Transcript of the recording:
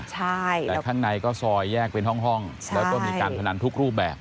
แต่ข้างในก็ซอยแยกเป็นห้องแล้วก็มีการพนันทุกรูปแบบ